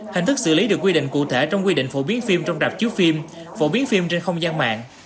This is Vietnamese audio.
hình thức xử lý được quy định cụ thể trong quy định phổ biến phim trong rạp chiếu phim phổ biến phim trên không gian mạng